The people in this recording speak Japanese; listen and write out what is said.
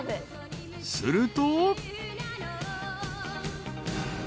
［すると］